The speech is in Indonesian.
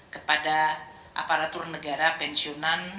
kepada aparatur negara pensiunan